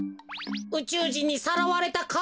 うちゅうじんにさらわれたか？